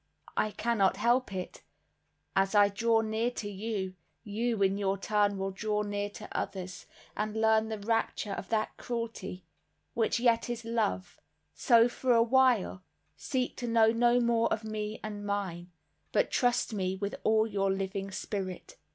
I cannot help it; as I draw near to you, you, in your turn, will draw near to others, and learn the rapture of that cruelty, which yet is love; so, for a while, seek to know no more of me and mine, but trust me with all your loving spirit."